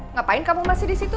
ngapain kamu masih disitu